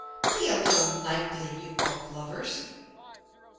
Be a little knightly, you book lovers!